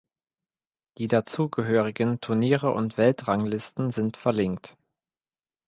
Die dazugehörigen Turniere und Weltranglisten sind verlinkt.